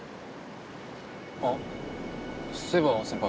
あっそういえば先輩。